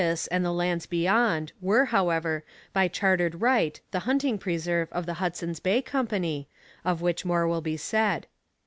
This and the lands beyond were, however, by chartered right the hunting preserve of the Hudson's Bay Company, of which more will be said.